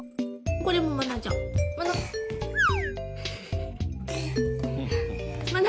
これもまなちゃん、まな。